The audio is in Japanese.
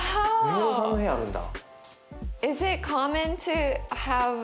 メイドさんの部屋あるんだ。